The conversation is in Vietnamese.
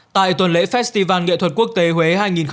tại tuần lễ festival nghệ thuật quốc tế huế hai nghìn hai mươi bốn